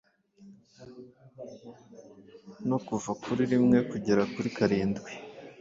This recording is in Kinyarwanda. no kuva kuri rimwe kugera kuri karindwi?